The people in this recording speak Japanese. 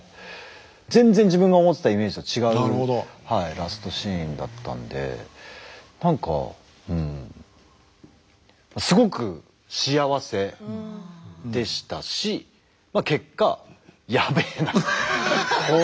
全然自分が思ってたイメージとは違うラストシーンだったんで何かうんすごく幸せでしたし結果やべえな。